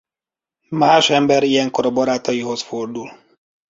Más ember ilyenkor a barátaihoz fordul.